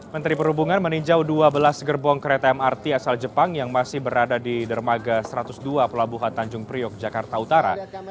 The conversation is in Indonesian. menteri perhubungan meninjau dua belas gerbong kereta mrt asal jepang yang masih berada di dermaga satu ratus dua pelabuhan tanjung priok jakarta utara